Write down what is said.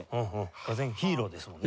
がぜんヒーローですもんね。